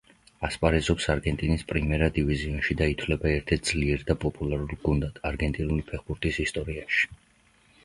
ასპარეზობს არგენტინის პრიმერა დივიზიონში და ითვლება ერთ-ერთ ძლიერ და პოპულარულ გუნდად არგენტინული ფეხბურთის ისტორიაში.